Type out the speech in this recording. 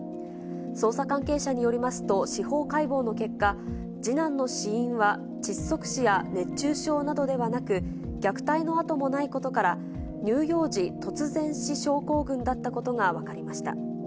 捜査関係者によりますと、司法解剖の結果、次男の死因は、窒息死や熱中症などではなく、虐待の跡もないことから、乳幼児突然死症候群だったことが分かりました。